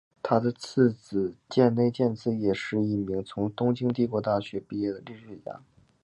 他的次子箭内健次也是一名从东京帝国大学毕业的历史学家。